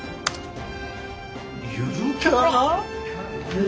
ゆるキャラ！？